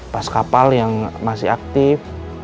pas kapal yang masih aktif